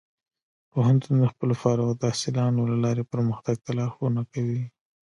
پوهنتون د خپلو فارغ التحصیلانو له لارې پرمختګ ته لارښوونه کوي.